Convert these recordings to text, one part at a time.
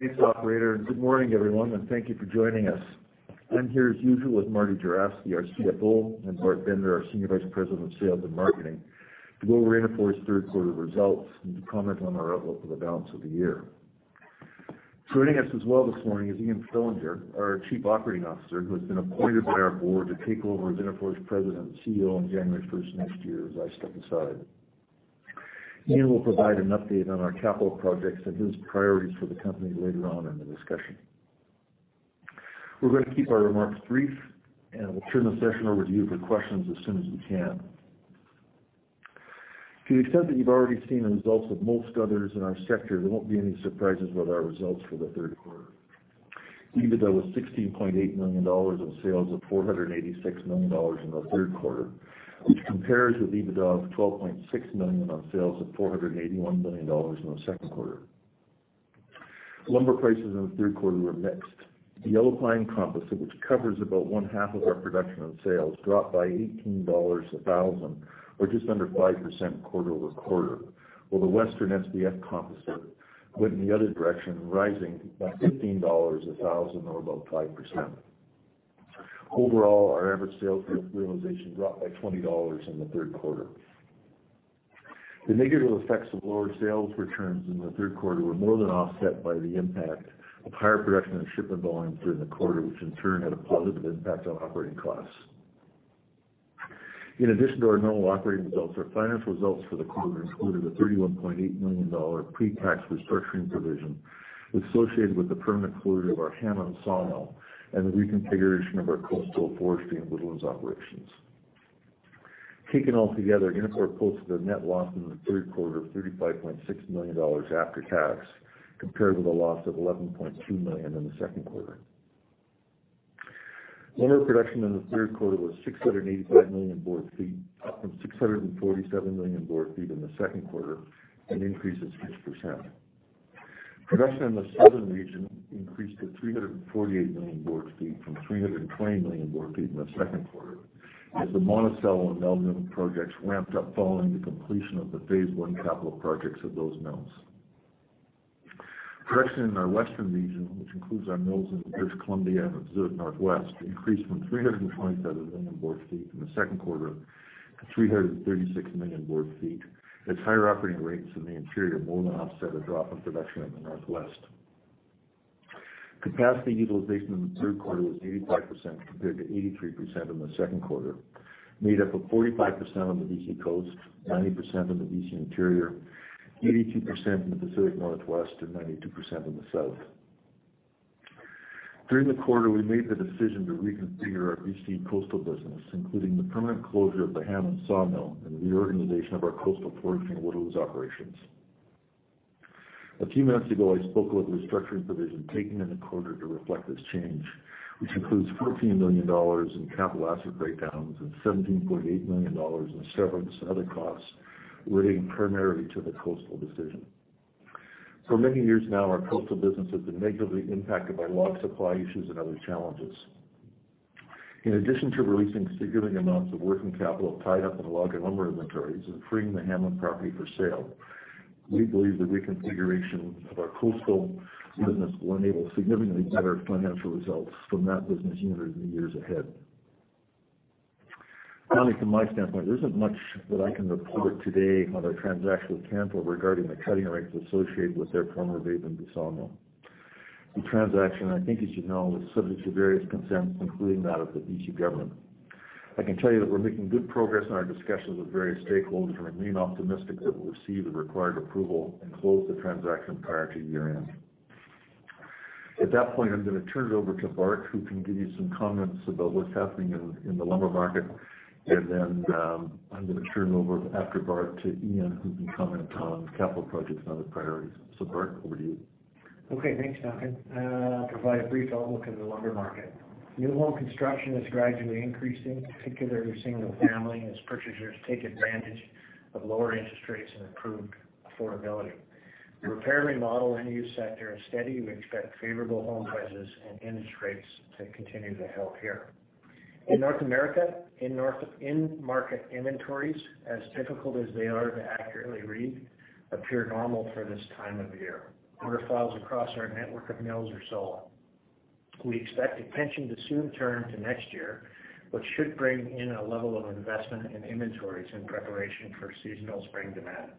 Thanks, operator, and good morning, everyone, and thank you for joining us. I'm here, as usual, with Marty Juravsky, our CFO, and Bart Bender, our SVP of Sales and Marketing, to go over Interfor's Q3 results and to comment on our outlook for the balance of the year. Joining us as well this morning is Ian Fillinger, our COO, who has been appointed by our board to take over as Interfor's President and CEO on January first next year, as I step aside. Ian will provide an update on our capital projects and his priorities for the company later on in the discussion. We're going to keep our remarks brief, and we'll turn the session over to you for questions as soon as we can. To the extent that you've already seen the results of most others in our sector, there won't be any surprises about our results for the Q3. EBITDA was $16.8 million on sales of $486 million in the Q3, which compares with EBITDA of $12.6 million on sales of $481 million in the Q2. Lumber prices in the Q3 were mixed. The Yellow Pine composite, which covers about one-half of our production and sales, dropped by $18 a thousand, or just under 5% quarter-over-quarter, while the Western SPF composite went in the other direction, rising by $15 a thousand, or about 5%. Overall, our average sales realization dropped by $20 in the Q3. The negative effects of lower sales returns in the Q3 were more than offset by the impact of higher production and shipment volumes during the quarter, which in turn had a positive impact on operating costs. In addition to our normal operating results, our financial results for the quarter included a $31.8 million pre-tax restructuring provision associated with the permanent closure of our Hammond sawmill and the reconfiguration of our coastal forestry and woodlands operations. Taken altogether, Interfor posted a net loss in the Q3 of $35.6 million after tax, compared with a loss of $11.2 million in the Q2. Lumber production in the Q3 was 685 million board feet, up from 647 million board feet in the Q2, an increase of 6%. Production in the Southern region increased to 348 million board feet from 320 million board feet in the Q2, as the Monticello and Meldrim projects ramped up following the completion of the phase I capital projects of those mills. Production in our Western region, which includes our mills in British Columbia and Pacific Northwest, increased from 327 million board feet in the Q2 to 336 million board feet, as higher operating rates in the interior more than offset a drop of production in the Northwest. Capacity utilization in the Q3 was 85%, compared to 83% in the Q2, made up of 45% on the BC coast, 90% in the BC Interior, 82% in the Pacific Northwest, and 92% in the South. During the quarter, we made the decision to reconfigure our BC Coastal business, including the permanent closure of the Hammond sawmill and the reorganization of our coastal forestry and woodlands operations. A few minutes ago, I spoke about the restructuring provision taken in the quarter to reflect this change, which includes $14 million in capital asset write-downs and $17.8 million in severance and other costs relating primarily to the coastal decision. For many years now, our Coastal business has been negatively impacted by log supply issues and other challenges. In addition to releasing significant amounts of working capital tied up in log and lumber inventories and freeing the Hammond property for sale, we believe the reconfiguration of our Coastal business will enable significantly better financial results from that business unit in the years ahead. Finally, from my standpoint, there isn't much that I can report today on our transaction with Canfor regarding the cutting rights associated with their former Vavenby sawmill. The transaction, I think you should know, is subject to various consents, including that of the BC government. I can tell you that we're making good progress in our discussions with various stakeholders, and we remain optimistic that we'll receive the required approval and close the transaction prior to year-end. At that point, I'm going to turn it over to Bart, who can give you some comments about what's happening in the lumber market. And then, I'm going to turn it over after Bart to Ian, who can comment on capital projects and other priorities. So Bart, over to you. Okay, thanks, Duncan. I'll provide a brief outlook on the lumber market. New home construction is gradually increasing, particularly single family, as purchasers take advantage of lower interest rates and improved affordability. The repair, remodel, end-use sector is steady. We expect favorable home prices and interest rates to continue to help here. In North America, in market inventories, as difficult as they are to accurately read, appear normal for this time of year. Order files across our network of mills are slow. We expect attention to soon turn to next year, which should bring in a level of investment in inventories in preparation for seasonal spring demand.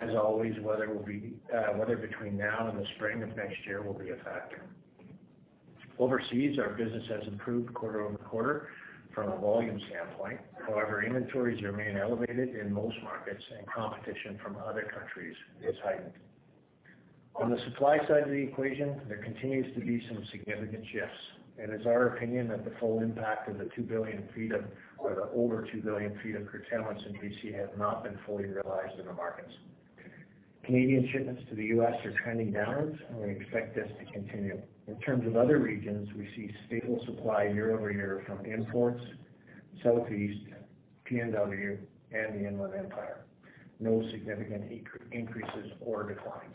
As always, weather between now and the spring of next year will be a factor. Overseas, our business has improved quarter-over-quarter from a volume standpoint. However, inventories remain elevated in most markets, and competition from other countries is heightened. On the supply side of the equation, there continues to be some significant shifts, and it's our opinion that the full impact of the 2 billion ft of, or the over 2 billion ft of curtailments in BC, have not been fully realized in the markets. Canadian shipments to the U.S. are trending downwards, and we expect this to continue. In terms of other regions, we see stable supply year-over-year from Imports, Southeast, PNW, and the Inland Empire. No significant increases or declines.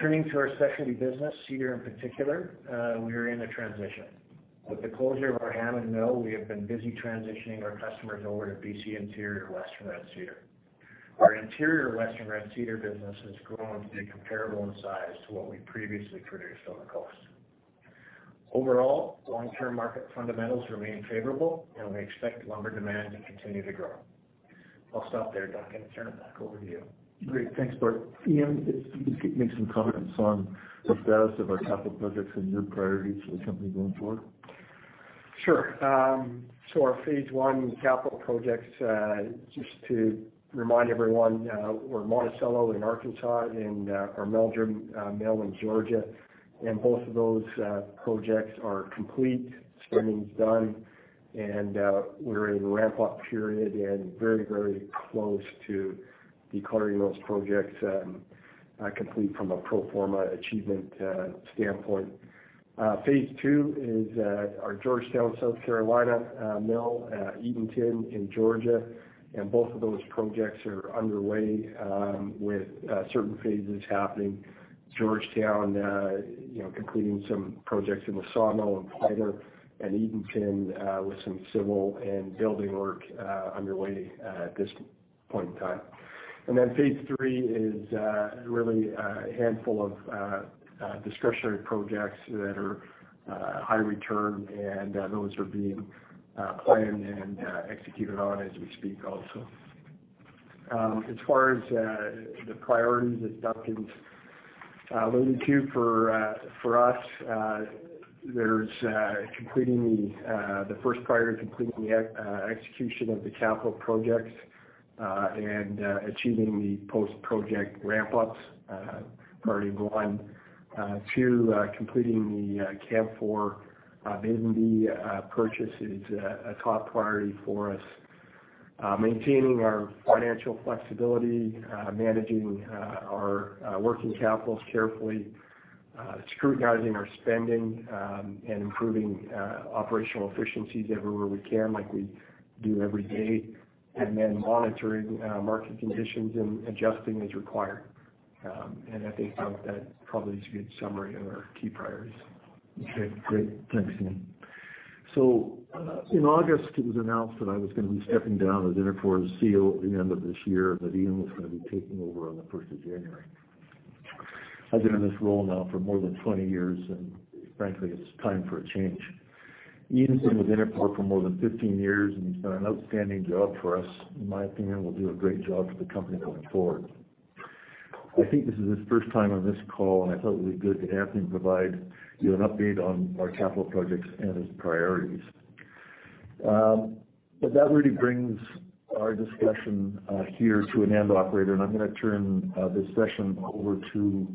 Turning to our Specialty business, Cedar in particular, we are in a transition. With the closure of our Hammond mill, we have been busy transitioning our customers over to BC Interior and West Coast Cedar... Our interior Western Red Cedar business has grown to be comparable in size to what we previously produced on the coast. Overall, long-term market fundamentals remain favorable, and we expect lumber demand to continue to grow. I'll stop there, Duncan, and turn it back over to you. Great. Thanks, Bart. Ian, if you could make some comments on the status of our capital projects and your priorities for the company going forward? Sure. So our phase I capital projects, just to remind everyone, were Monticello in Arkansas, and our Meldrim mill in Georgia. Both of those projects are complete, spending's done, and we're in a ramp-up period and very, very close to declaring those projects complete from a pro forma achievement standpoint. Phase II is our Georgetown, South Carolina mill, Eatonton in Georgia, and both of those projects are underway with certain phases happening. Georgetown, you know, completing some projects in the sawmill and slider, and Eatonton with some civil and building work underway at this point in time. And then phase III is really a handful of discretionary projects that are high return, and those are being planned and executed on as we speak also. As far as the priorities that Duncan's alluded to, for us, there's completing the the first priority to completing the execution of the capital projects, and achieving the post-project ramp-ups, priority one. Two, completing the Canfor Vavenby purchase is a top priority for us. Maintaining our financial flexibility, managing our working capitals carefully, scrutinizing our spending, and improving operational efficiencies everywhere we can, like we do every day, and then monitoring market conditions and adjusting as required. I think that probably is a good summary of our key priorities. Okay, great. Thanks, Ian. So in August, it was announced that I was gonna be stepping down as Interfor's CEO at the end of this year, that Ian was gonna be taking over on the 1st of January. I've been in this role now for more than 20 years, and frankly, it's time for a change. Ian's been with Interfor for more than 15 years, and he's done an outstanding job for us, in my opinion, will do a great job for the company going forward. I think this is his first time on this call, and I thought it would be good to have him provide you an update on our capital projects and his priorities. But that really brings our discussion here to an end, operator, and I'm gonna turn this session over to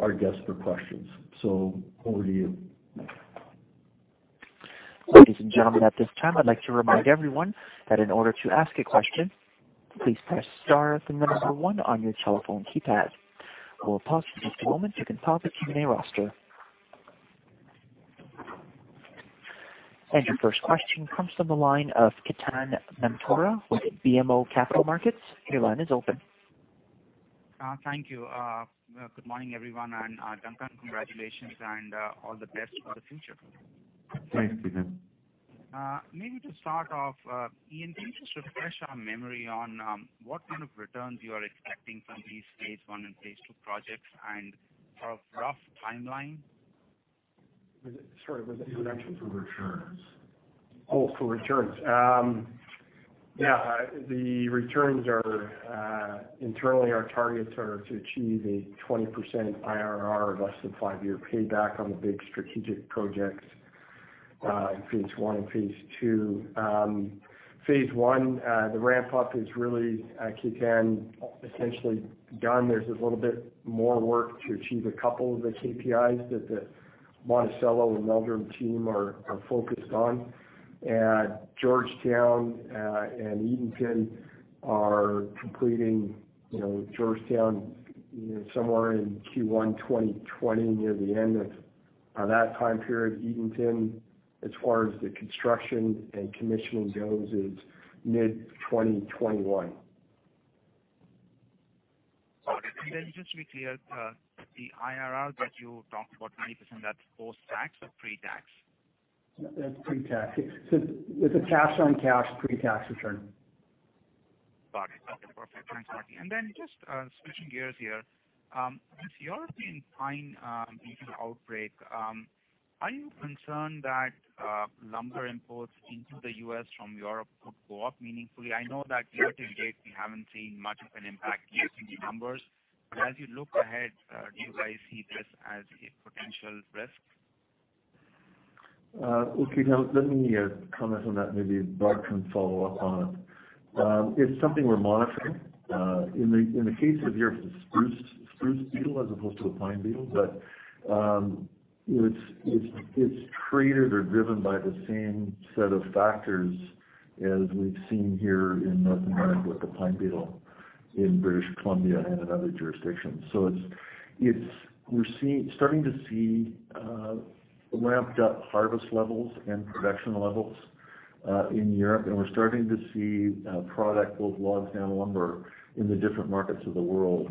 our guests for questions. So over to you. Ladies and gentlemen, at this time, I'd like to remind everyone that in order to ask a question, please press star, then the number one on your telephone keypad. We'll pause for just a moment to consult the Q&A roster. Your first question comes from the line of Ketan Mamtora with BMO Capital Markets. Your line is open. Thank you. Good morning, everyone, and Duncan, congratulations, and all the best for the future. Thanks, Ketan. Maybe to start off, Ian, can you just refresh our memory on what kind of returns you are expecting from these phase I and phase II projects and sort of rough timeline? Sorry, was it- He was asking for returns. Oh, for returns. The returns are, internally, our targets are to achieve a 20% IRR of less than five-year payback on the big strategic projects, in phase I and phase II. Phase I, the ramp-up is really, Ketan, essentially done. There's a little bit more work to achieve a couple of the KPIs that the Monticello and Meldrim team are focused on. Georgetown and Eatonton are completing, you know, Georgetown, you know, somewhere in Q1 2020, near the end of that time period. Eatonton, as far as the construction and commissioning goes, is mid-2021. Got it. Just to be clear, the IRR that you talked about, 20%, that's post-tax or pre-tax? That's pre-tax. It's a cash-on-cash pre-tax return. Got it. Okay, perfect. Thanks a lot and then just switching gears here. With European pine beetle outbreak, are you concerned that lumber imports into the U.S. from Europe could go up meaningfully? I know that year to date, we haven't seen much of an impact using the numbers, but as you look ahead, do you guys see this as a potential risk? Okay. Now, let me comment on that, maybe Bart can follow up on it. It's something we're monitoring. In the case of Europe, it's a spruce beetle as opposed to a pine beetle. But it's traded or driven by the same set of factors as we've seen here in North America with the pine beetle in British Columbia and in other jurisdictions. So it's starting to see ramped up harvest levels and production levels in Europe, and we're starting to see product, both logs and lumber, in the different markets of the world.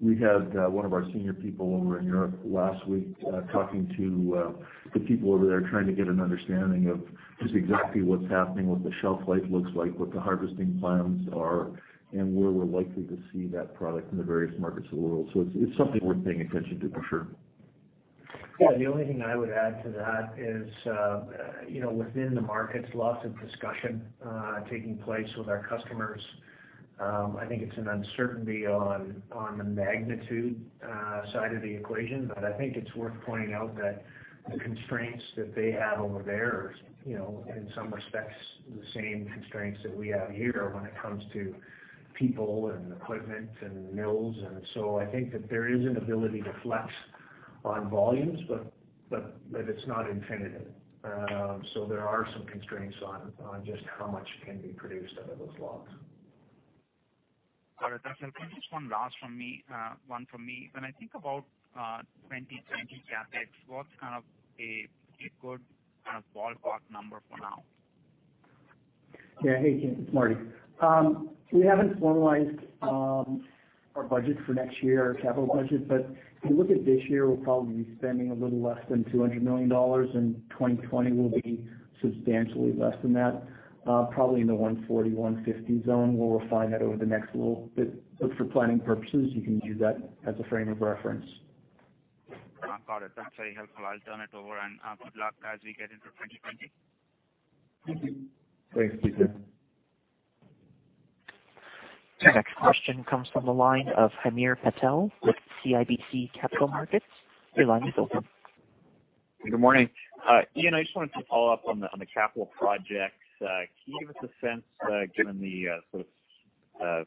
We had one of our senior people over in Europe last week, talking to the people over there, trying to get an understanding of... just exactly what's happening, what the shelf life looks like, what the harvesting plans are, and where we're likely to see that product in the various markets of the world. So it's, it's something worth paying attention to, for sure. Yeah, the only thing I would add to that is, you know, within the markets, lots of discussion taking place with our customers. I think it's an uncertainty on, on the magnitude side of the equation. But I think it's worth pointing out that the constraints that they have over there are, you know, in some respects, the same constraints that we have here when it comes to people and equipment and mills. So I think that there is an ability to flex on volumes, but, but, but it's not infinite. So there are some constraints on, on just how much can be produced out of those logs. Got it. So just one last from me, one from me. When I think about 2020 CapEx, what's kind of a good kind of ballpark number for now? Yeah, hey, it's Marty. We haven't formalized our budget for next year, our capital budget, but if you look at this year, we'll probably be spending a little less than $200 million. In 2020, we'll be substantially less than that, probably in the $140 million-$150 million zone. We'll refine that over the next little bit, but for planning purposes, you can use that as a frame of reference. Got it. That's very helpful. I'll turn it over, and good luck as we get into 2020. Thank you. Thanks, Peter. The next question comes from the line of Hamir Patel with CIBC Capital Markets. Your line is open. Good morning. Ian, I just wanted to follow up on the capital projects. Can you give us a sense, given the sort of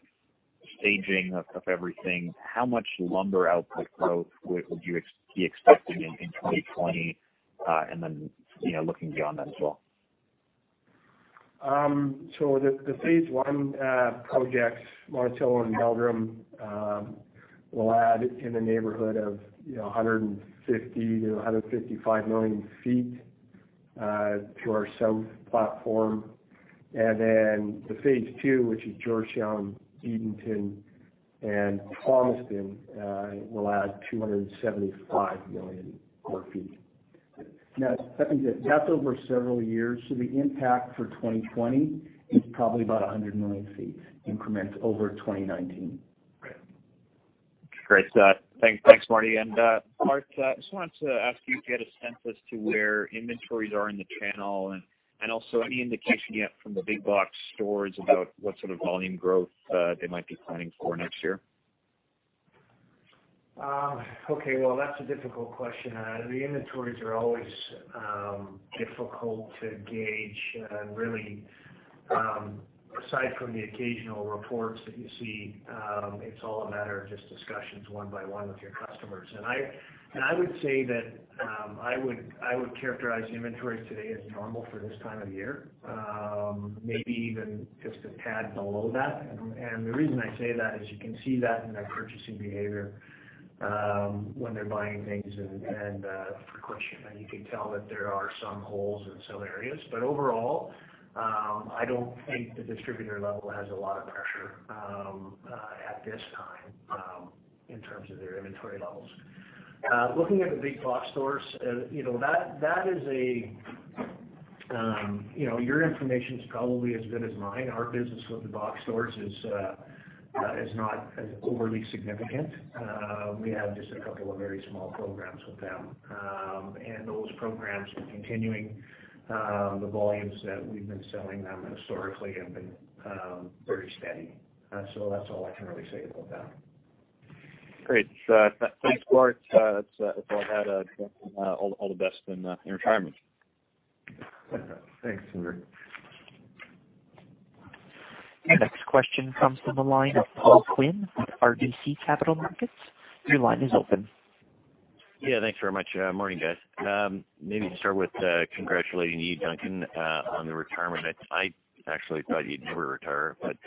staging of everything, how much lumber output growth would you be expecting in 2020, and then, you know, looking beyond that as well? So the phase I projects, Monticello and Meldrim, will add in the neighborhood of, you know, 150-155 million ft to our south platform. Then the phase II, which is Georgetown, Eatonton, and Thomaston, will add 275 million board ft. Now, that's over several years, so the impact for 2020 is probably about 100 million ft increment over 2019. Great. Thanks. Thanks, Marty. And, Bart, I just wanted to ask you if you had a sense as to where inventories are in the channel, and also any indication yet from the big box stores about what sort of volume growth they might be planning for next year? Okay, well, that's a difficult question. The inventories are always difficult to gauge, really, aside from the occasional reports that you see, it's all a matter of just discussions one by one with your customers and I, and I would say that, I would, I would characterize the inventories today as normal for this time of year, maybe even just a tad below that. The reason I say that is you can see that in their purchasing behavior, when they're buying things and, and, frequency, and you can tell that there are some holes in some areas. But overall, I don't think the distributor level has a lot of pressure, at this time, in terms of their inventory levels. Looking at the big box stores, you know, that, that is a, you know, your information is probably as good as mine. Our business with the box stores is, is not as overly significant. We have just a couple of very small programs with them and those programs are continuing, the volumes that we've been selling them historically have been, pretty steady. So that's all I can really say about that. Great. Thanks, Bart. That's all I had. All the best in retirement. Thanks, Hamir. The next question comes from the line of Paul Quinn, RBC Capital Markets. Your line is open. Yeah, thanks very much. Morning, guys. Maybe to start with, congratulating you, Duncan, on the retirement. I actually thought you'd never retire, but,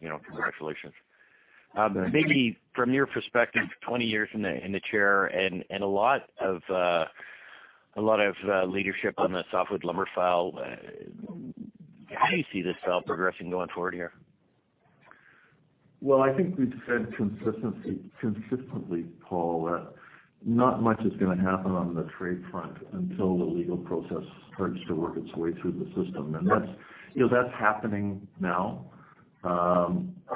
you know, congratulations. Thanks. Maybe from your perspective, 20 years in the chair and a lot of leadership on the softwood lumber file, how do you see this file progressing going forward here? Well, I think we've said consistency- consistently, Paul, that not much is gonna happen on the trade front until the legal process starts to work its way through the system. That's, you know, that's happening now.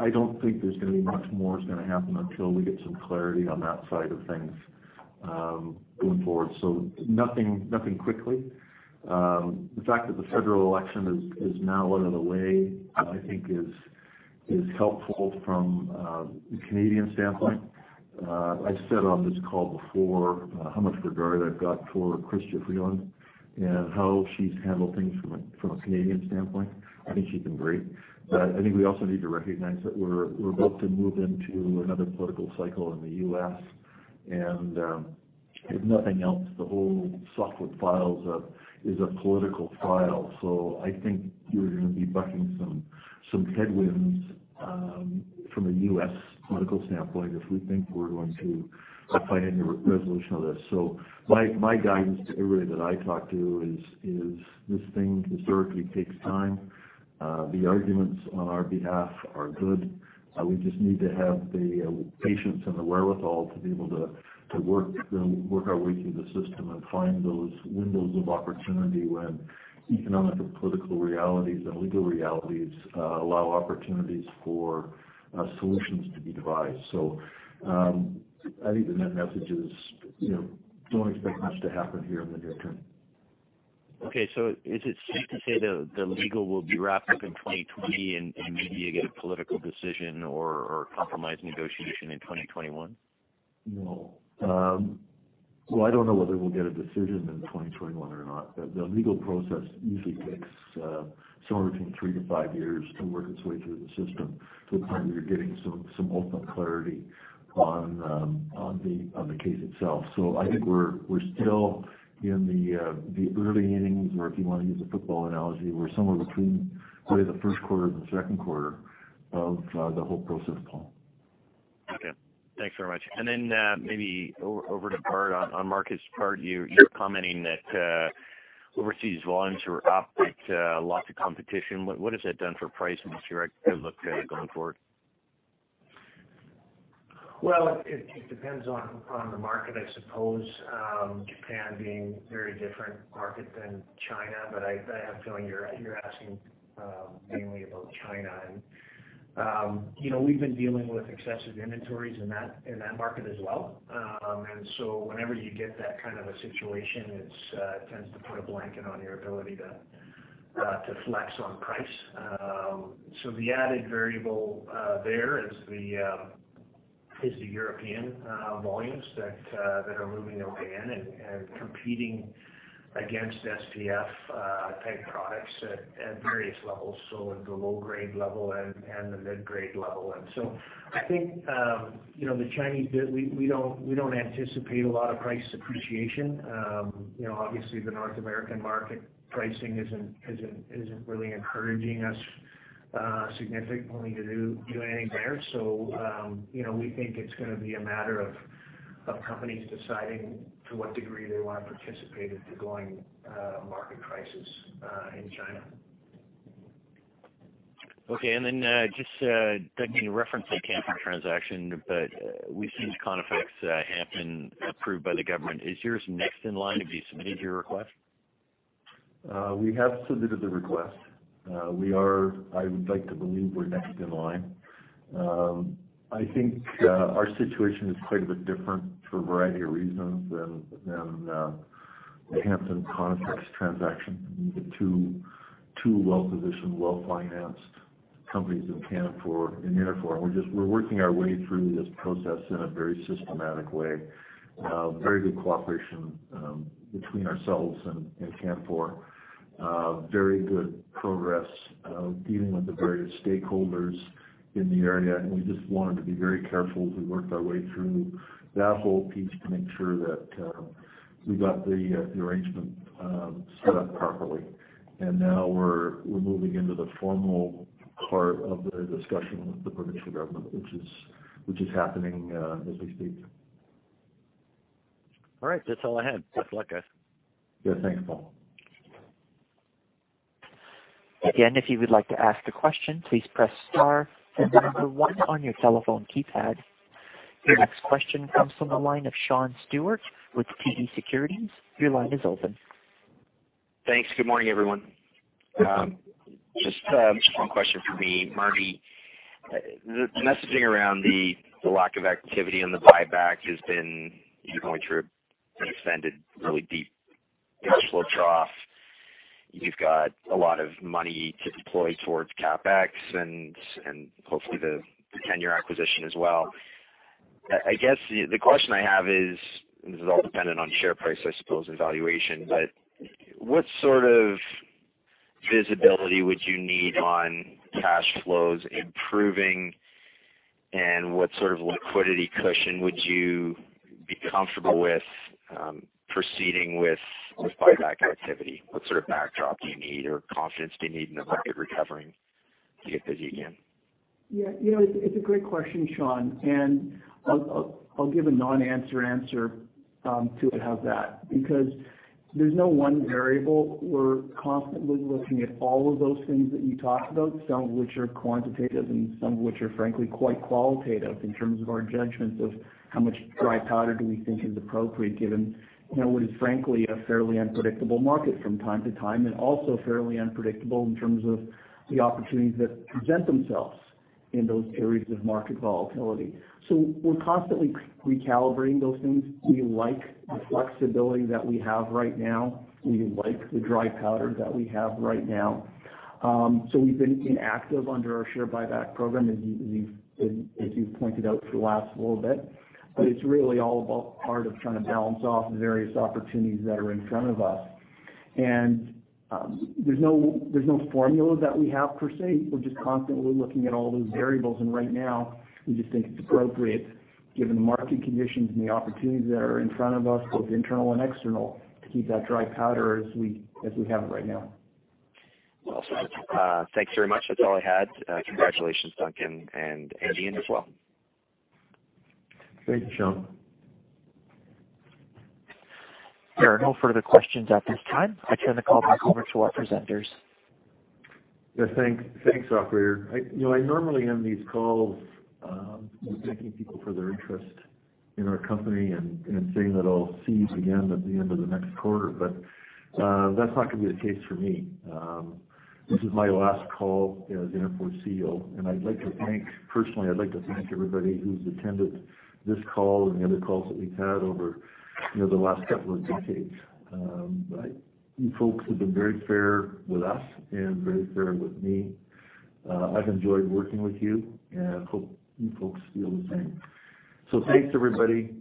I don't think there's gonna be much more is gonna happen until we get some clarity on that side of things, going forward. So nothing, nothing quickly. The fact that the federal election is now out of the way, I think is helpful from the Canadian standpoint. I've said on this call before, how much regard I've got for Chrystia Freeland and how she's handled things from a Canadian standpoint. I think she's been great. But I think we also need to recognize that we're about to move into another political cycle in the U.S., and if nothing else, the whole softwood files is a political file. So I think you're gonna be bucking some headwinds from a U.S. political standpoint, if we think we're going to find any resolution on this. So my guidance to everybody that I talk to is this thing historically takes time. The arguments on our behalf are good. We just need to have the patience and the wherewithal to be able to work our way through the system and find those windows of opportunity when economic and political realities and legal realities allow opportunities for solutions to be devised. So I think the net message is, you know, don't expect much to happen here in the near term. Okay, so is it safe to say the legal will be wrapped up in 2020 and maybe you get a political decision or compromise negotiation in 2021? No. Well, I don't know whether we'll get a decision in 2021 or not, but the legal process usually takes somewhere between 3-5 years to work its way through the system to the point where you're getting some ultimate clarity on the case itself. So I think we're still in the early innings, or if you want to use a football analogy, we're somewhere between probably the Q1 and the Q2 of the whole process, Paul. Okay, thanks very much and then, maybe over to Bart. On markets, Bart, you're commenting that overseas volumes are up, but lots of competition. What has that done for price, and what's your outlook going forward? Well, it depends on the market, I suppose, Japan being a very different market than China, but I have a feeling you're asking mainly about China. You know, we've been dealing with excessive inventories in that market as well and so whenever you get that kind of a situation, it tends to put a blanket on your ability to flex on price. So the added variable there is the European volumes that are moving their way in and competing against SPF type products at various levels, so at the low-grade level and the mid-grade level. So I think, you know, the Chinese, we don't anticipate a lot of price appreciation. You know, obviously, the North American market pricing isn't really encouraging us significantly to do anything there. So, you know, we think it's gonna be a matter of companies deciding to what degree they want to participate at the going market prices in China. Okay and then, just, Duncan, you referenced the Canfor transaction, but, we've seen Conifex, Hampton approved by the government. Is yours next in line? Have you submitted your request? We have submitted the request. We are. I would like to believe we're next in line. I think our situation is quite a bit different for a variety of reasons than the Hampton-Conifex transaction. We're two well-positioned, well-financed companies in Canfor and Interfor. We're just working our way through this process in a very systematic way. Very good cooperation between ourselves and Canfor. Very good progress dealing with the various stakeholders in the area, and we just wanted to be very careful as we worked our way through that whole piece to make sure that we got the arrangement set up properly. Now we're moving into the formal part of the discussion with the provincial government, which is happening as we speak. All right. That's all I had. Best of luck, guys. Yeah, thanks, Paul. Again, if you would like to ask a question, please press star and the number one on your telephone keypad. The next question comes from the line of Sean Steuart with TD Securities. Your line is open. Thanks. Good morning, everyone. Just, just one question for me. Marty, the messaging around the, the lack of activity on the buyback has been you're going through an extended, really deep cash flow trough. You've got a lot of money to deploy towards CapEx and, and hopefully the tenure acquisition as well. I, I guess the, the question I have is, and this is all dependent on share price, I suppose, and valuation, but what sort of visibility would you need on cash flows improving, and what sort of liquidity cushion would you be comfortable with, proceeding with, with buyback activity? What sort of backdrop do you need or confidence do you need in the market recovering to get busy again? Yeah, you know, it's a great question, Sean, and I'll give a non-answer answer to it, how's that? Because there's no one variable. We're constantly looking at all of those things that you talked about, some of which are quantitative and some of which are frankly quite qualitative in terms of our judgments of how much dry powder do we think is appropriate, given, you know, what is frankly a fairly unpredictable market from time to time, and also fairly unpredictable in terms of the opportunities that present themselves in those areas of market volatility. So we're constantly recalibrating those things. We like the flexibility that we have right now. We like the dry powder that we have right now. So we've been inactive under our share buyback program, as you've pointed out for the last little bit, but it's really all about part of trying to balance off the various opportunities that are in front of us. There's no formula that we have per se. We're just constantly looking at all those variables, and right now, we just think it's appropriate, given the market conditions and the opportunities that are in front of us, both internal and external, to keep that dry powder as we have it right now. Awesome. Thanks very much. That's all I had. Congratulations, Duncan, and, and Ian as well. Thank you, Sean. There are no further questions at this time. I turn the call back over to our presenters. Yeah, thanks. Thanks, operator. You know, I normally end these calls, thanking people for their interest in our company and, and saying that I'll see you again at the end of the next quarter, but that's not gonna be the case for me. This is my last call as Interfor CEO, and I'd like to thank—personally, I'd like to thank everybody who's attended this call and the other calls that we've had over, you know, the last couple of decades. But you folks have been very fair with us and very fair with me. I've enjoyed working with you, and I hope you folks feel the same. So thanks, everybody.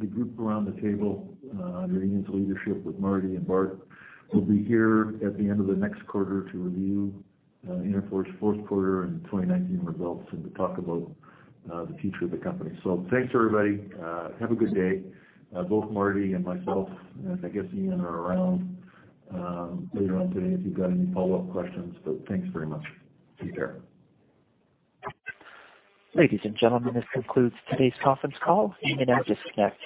The group around the table, under Ian's leadership with Marty and Bart, will be here at the end of the next quarter to review Interfor's Q4 and 2019 results, and to talk about the future of the company. So thanks, everybody. Have a good day. Both Marty and myself, and I guess Ian, are around later on today, if you've got any follow-up questions, but thanks very much. Take care. Ladies and gentlemen, this concludes today's conference call. You may now disconnect.